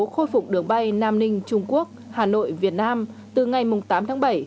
khôi phục đường bay nam ninh trung quốc hà nội việt nam từ ngày tám tháng bảy